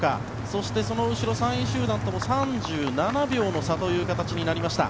そして、その後ろ３位集団とも３７秒の差となりました。